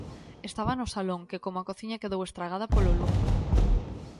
Estaba no salón, que como a cociña quedou estragada polo lume.